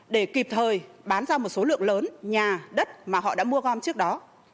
để kịp thời bán ra một số lượng lớn nhà đất mà họ đã mua gom trước đó